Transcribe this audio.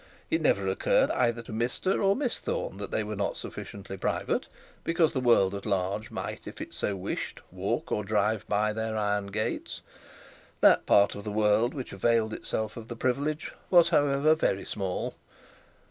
It never occurred to either Mr or Miss Thorne that they were not sufficiently private, because the world at large might, if it so wished, walk or drive by their iron gates. That part of the world which availed itself of the privilege was however very small.